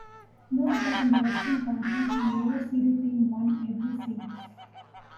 Note that in the Western Conference, the lower seeded team won every series.